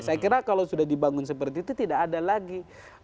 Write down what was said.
saya kira kalau sudah dibangun seperti itu tidak ada lagi